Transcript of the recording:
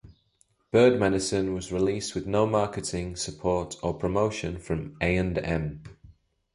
"Bird Medicine" was released with no marketing, support or promotion from A and M.